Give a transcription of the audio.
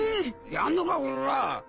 やんのかこらあ！